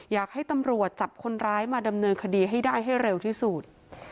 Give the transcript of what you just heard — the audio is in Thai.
อยากให้ตำรวจจับคนร้ายมาดำเนินคดีให้ได้ให้เร็วที่สุด